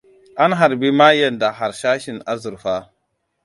An harbi mayen da harsashin azurfa.